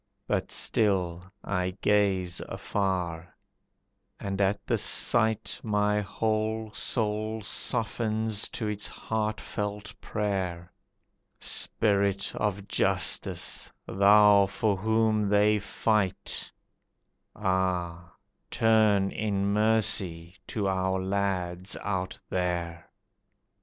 But still I gaze afar, and at the sight My whole soul softens to its heart felt prayer, "Spirit of Justice, Thou for whom they fight, Ah, turn in mercy to our lads out there!